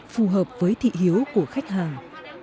phù hợp với thị hiếu của khách hàng